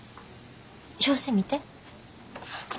表紙見て。